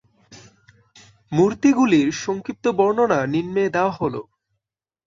মূর্তিগুলির সংক্ষিপ্ত বর্ণনা নিম্নে দেওয়া হল